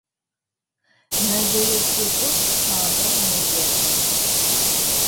Нэгые цӏыкӏур шъабэу мэзекӏо.